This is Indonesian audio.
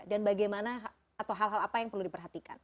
dan bagaimana atau hal hal apa yang perlu diperhatikan